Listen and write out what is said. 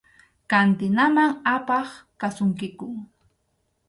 Kantinaman apaq kasunkiku.